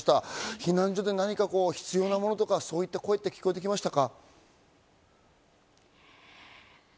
避難所で何か必要なものとかそういった声って聞こえてきましたか？